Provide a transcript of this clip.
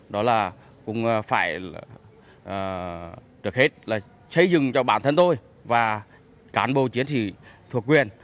đó là cũng phải trước hết là xây dựng cho bản thân tôi và cán bộ chiến sĩ thuộc quyền